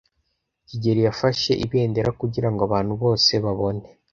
kigeli yafashe ibendera kugirango abantu bose babone.